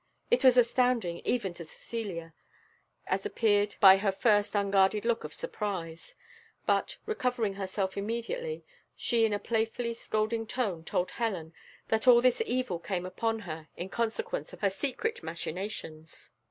It was astounding even to Cecilia, as appeared by her first unguarded look of surprise. But, recovering herself immediately, she in a playfully scolding tone told Helen that all this evil came upon her in consequence of her secret machinations.